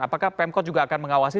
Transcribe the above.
apakah pemkot juga akan mengawasi